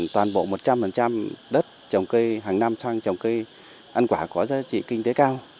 toàn bộ một trăm linh đất trồng cây hàng năm sang trồng cây ăn quả có giá trị kinh tế cao